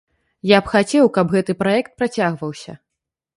Я б хацеў, каб гэты праект працягваўся.